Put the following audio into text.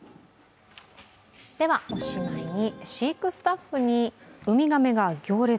では、おしまいに飼育スタッフにウミガメが行列。